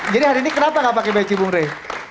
jadi hari ini kenapa gak pakai beci bung rey